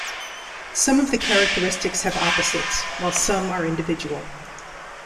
Some of the characteristics have opposites, while some are individual.